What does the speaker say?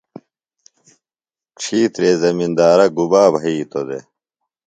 ڇھیترےۡ زمندارہ گُبا بھیتوۡ دےۡ؟